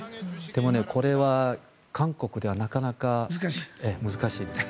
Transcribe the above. でも、これは韓国ではなかなか難しいです。